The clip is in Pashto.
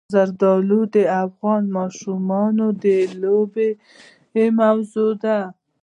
زردالو د افغان ماشومانو د لوبو موضوع ده.